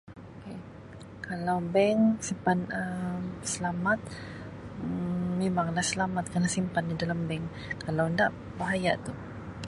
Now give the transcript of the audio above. Ka-kalau bank simpan Um selamat Um memanglah selamat kalau simpan dalam bank kalau inda bahaya tu.